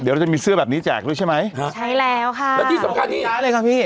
เดี๋ยวเราจะมีเสื้อแบบนี้แจกด้วยใช่ไหมฮะใช่แล้วค่ะแล้วที่สำคัญนี่ช้าเลยค่ะพี่